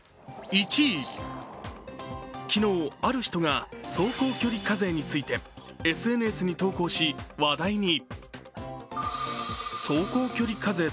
昨日、ある人が走行距離課税についてＳＮＳに投稿し、話題に。